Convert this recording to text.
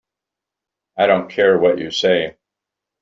I don't care what you say.